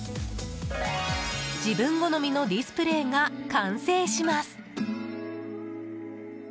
自分好みのディスプレーが完成します。